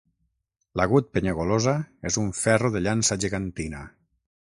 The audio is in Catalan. L'agut Penyagolosa és un ferro de llança gegantina.